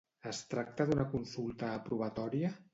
Es tracta d'una consulta aprovatòria?